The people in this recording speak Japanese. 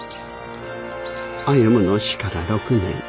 歩の死から６年。